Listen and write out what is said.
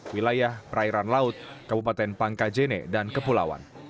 wilayah perairan laut kabupaten pangkajene dan kepulauan